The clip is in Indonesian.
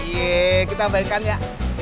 yeay kita baikan ya